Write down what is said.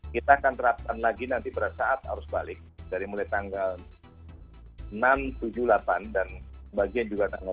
kita akan terapkan lagi nanti pada saat arus balik dari mulai tanggal enam tujuh puluh delapan dan bagian juga